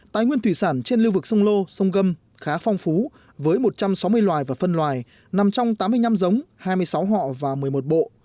tài nguyên thủy sản trên lưu vực sông lô sông gâm khá phong phú với một trăm sáu mươi loài và phân loài nằm trong tám mươi năm giống hai mươi sáu họ và một mươi một bộ